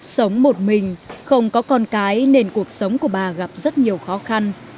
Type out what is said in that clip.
sống một mình không có con cái nên cuộc sống của bà gặp rất nhiều khó khăn